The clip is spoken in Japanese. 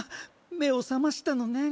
目を覚ましたのねん